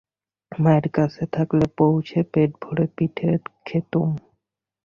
মায়ের কাছে থাকলে পৌষে পেট ভরে পিঠে খেতুম।